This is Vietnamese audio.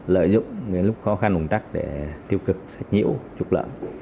lợi dụng lúc khó khăn bùng tắc để tiêu cực sạch nhiễu trục lợn